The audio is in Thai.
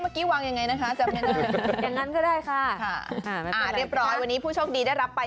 เมื่อกี้วางยังไงนะคะจำไม่ได้อย่างนั้นก็ได้ค่ะค่ะอ่าเรียบร้อยวันนี้ผู้โชคดีได้รับไป